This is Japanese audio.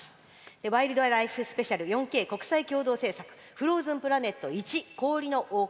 「ワイルドライフＳＰ４Ｋ国際共同制作フローズンプラネット氷の王国」